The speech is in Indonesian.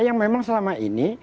yang memang selama ini